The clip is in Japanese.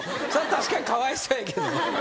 確かにかわいそうやけど。